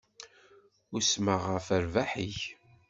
Usmeɣ ɣef rrbeḥ-ik.